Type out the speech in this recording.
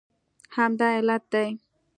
همدا علت دی